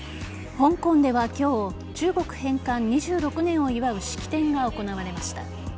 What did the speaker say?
香港では今日中国返還２６年を祝う式典が行われました。